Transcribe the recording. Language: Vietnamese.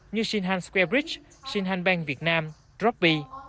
như shinhan square bridge shinhan bank việt nam dropb